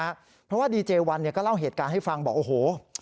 เพราะว่าดีเจวันเนี่ยก็เล่าเหตุการณ์ให้ฟังบอกโอ้โห